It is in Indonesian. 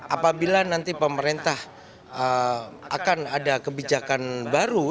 apabila nanti pemerintah akan ada kebijakan baru